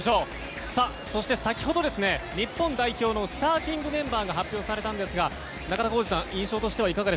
そして先ほど日本代表のスターティングメンバーが発表されたんですが中田浩二さん